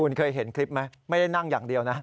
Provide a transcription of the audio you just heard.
คุณเคยเห็นคลิปไหมไม่ได้นั่งอย่างเดียวนะ